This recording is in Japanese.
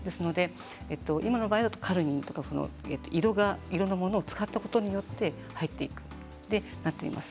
今の場合はカルミン色を使ったことによって入っていくとなっています。